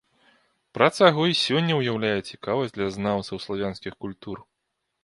Праца яго і сёння ўяўляе цікавасць для знаўцаў славянскіх культур.